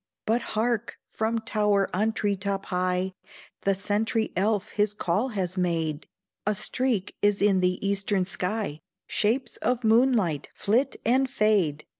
But hark! from tower on tree top high, The sentry elf his call has made, A streak is in the eastern sky, Shapes of moonlight! flit and fade!